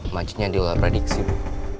macetnya diolah prediksi bu